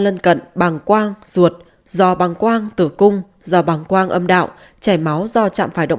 lân cận bằng quang ruột giò bằng quang tử cung do bàng quang âm đạo chảy máu do chạm phải động